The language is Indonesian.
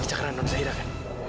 dia cakaran anwar zahir ya